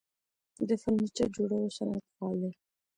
د فرنیچر جوړولو صنعت فعال دی